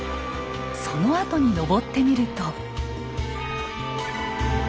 その跡に登ってみると。